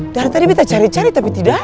dari tadi bita cari cari tapi tidak ada i